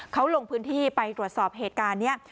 เขาลงพื้นที่ไปตรวจสอบเหตุการณ์นี้